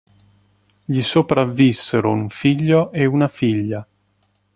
Gli sopravvissero un figlio e una figlia.